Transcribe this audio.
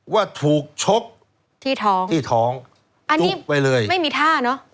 ว่าถูกชกที่ท้องที่ท้องจุกไปเลยอันนี้ไม่มีท่าเนอะ